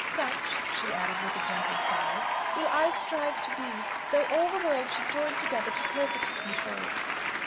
Such" she added with a gentle sigh, "will I strive to be, though all the world should join together to persecute me for it."